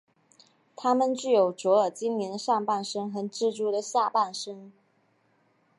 他们具有卓尔精灵的上半身和蜘蛛的下半身。